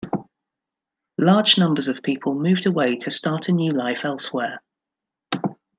Large numbers of people moved away to start a new life elsewhere.